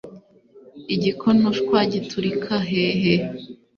igikonoshwa giturika hehe